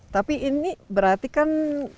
tapi ini berarti kan